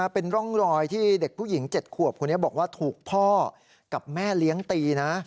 เป็นร่องรอยที่เด็กผู้หญิง๗ขวบคนนี้บอกว่าถูกพ่อกับแม่เลี้ยงตีนะ